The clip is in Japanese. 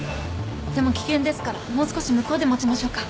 でも危険ですからもう少し向こうで待ちましょうか。